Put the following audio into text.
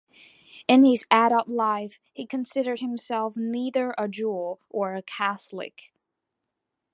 In his adult life he considered himself neither a Jew nor a Catholic.